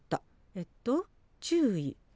えっと注意！